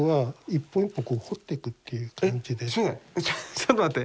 ちょっと待って。